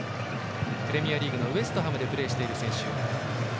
プレミアリーグのウエストハムでプレーする選手。